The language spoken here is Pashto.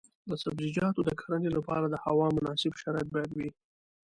د سبزیجاتو د کرنې لپاره د هوا مناسب شرایط باید وي.